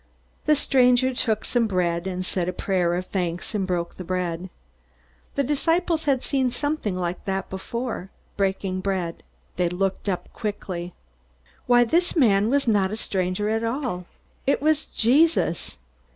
The stranger took some bread, and said a prayer of thanks, and broke the bread. The disciples had seen something like that before breaking bread. They looked up quickly. Why! This man was not a stranger at all. It was Jesus.